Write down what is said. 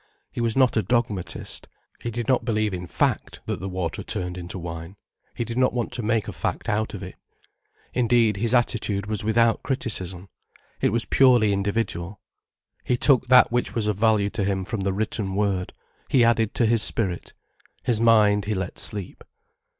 He was not a dogmatist. He did not believe in fact that the water turned into wine. He did not want to make a fact out of it. Indeed, his attitude was without criticism. It was purely individual. He took that which was of value to him from the Written Word, he added to his spirit. His mind he let sleep.